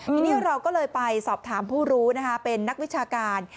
ทีนี้เราก็เลยไปสอบถามผู้รู้นะคะเป็นนักวิชาการ